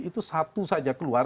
itu satu saja keluar